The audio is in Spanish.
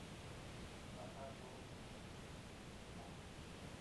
Masato Hashimoto